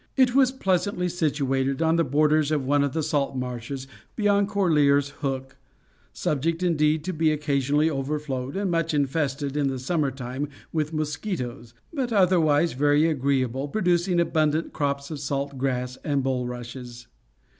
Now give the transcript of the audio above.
It was pleasantly situated on the borders of one of the salt marshes beyond Corlear's Hook; subject, indeed, to be occasionally over flowed, and much infested, in the summer time, with mosquitoes; but otherwise very agreeable, producing abundant crops of salt grass and bulrushes.